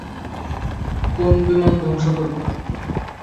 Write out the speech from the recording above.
কোন বিমান ধ্বংস করবে?